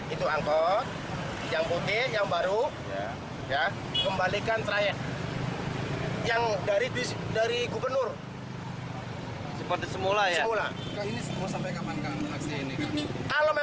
itu angkot yang putih yang baru kembalikan trayek